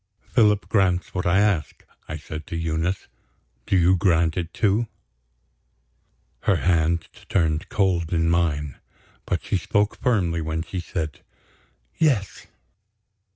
"Philip grants what I ask," I said to Eunice. "Do you grant it, too?" Her hand turned cold in mine; but she spoke firmly when she said: "Yes."